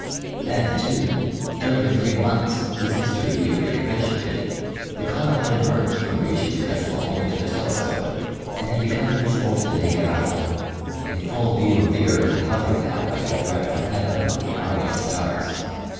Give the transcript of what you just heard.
Then, too, during the three months whose history we have recapitulated, the comet had emerged from regions accessible only to the telescope and had become visible to the naked eye. In full view of the earth it hovered now like a threat from heaven among the army of stars.